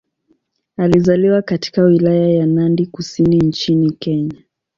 Alizaliwa katika Wilaya ya Nandi Kusini nchini Kenya.